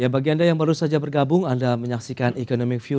bagi anda yang baru saja bergabung anda menyaksikan economic view